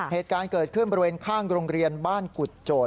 เหตุการณ์เกิดขึ้นบริเวณข้างโรงเรียนบ้านกุฎโจทย